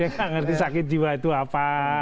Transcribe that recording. nggak ngerti sakit jiwa itu apa